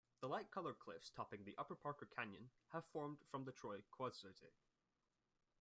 The light-colored cliffs topping upper Parker Canyon have been formed from the Troy Quartzite.